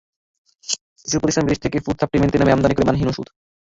কিছু প্রতিষ্ঠান বিদেশ থেকে ফুড সাপ্লিমেন্টারির নামে আমদানি করে মানহীন ওষুধ।